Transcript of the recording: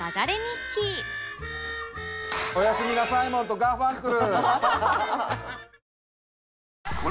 「おやすみなサイモンとガーファンクル」。